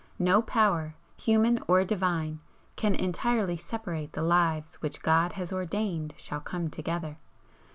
No power, human or divine, can entirely separate the lives which God has ordained shall come together.